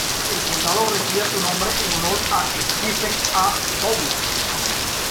El condado recibe su nombre en honor a Stephen A. Douglas.